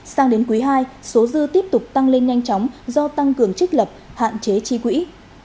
sang đến quý ii số dư tiếp tục tăng lên nhanh chóng do tăng cường trích lập hạn chế chi quỹ